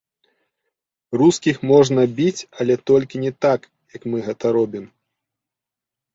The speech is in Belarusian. Рускіх можна біць, але толькі не так, як мы гэта робім.